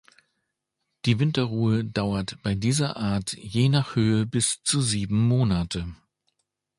Die Winterruhe dauert bei dieser Art je nach Höhe bis zu sieben Monate.